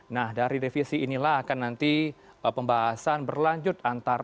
nah dari revisi inilah akan nanti pembahasan berlanjut